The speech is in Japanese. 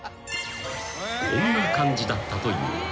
［こんな感じだったという］